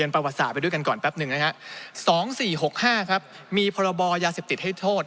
ไปด้วยกันก่อนแป๊บนึงนะครับ๒๔๖๕ครับมีพรบอยาเสพติดให้โทษ